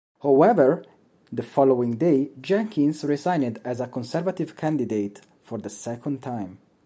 However, the following day, Jenkins resigned as a Conservative candidate for the second time.